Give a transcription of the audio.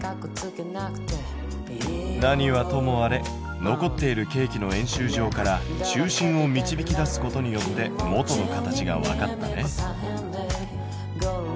何はともあれ残っているケーキの円周上から中心を導き出すことによって元の形がわかったね。